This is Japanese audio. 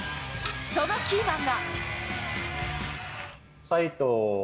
そのキーマンが。